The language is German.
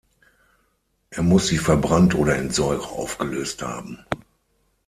Er muss sie verbrannt oder in Säure aufgelöst haben.